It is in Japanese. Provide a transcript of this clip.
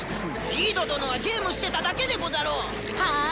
リード殿はゲームしてただけでござろう⁉はぁ？